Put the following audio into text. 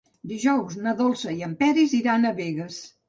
Dijous na Dolça i en Peris iran a Begues.